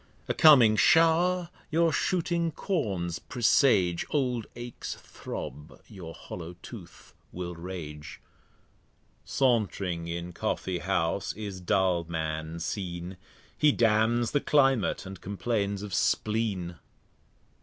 A coming Show'r your shooting Corns presage, Old Aches throb, your hollow Tooth will rage. Sauntring in Coffee house is Dulman seen; He damns the Climate, and complains of Spleen.